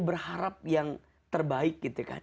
berharap yang terbaik